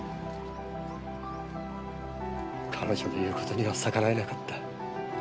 彼女の言う事には逆らえなかった。